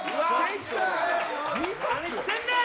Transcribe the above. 何してんねん。